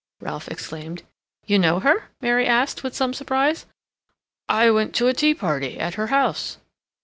Ralph exclaimed. "You know her?" Mary asked, with some surprise. "I went to a tea party at her house."